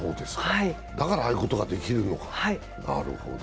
だからああいうことができるのか、なるほど。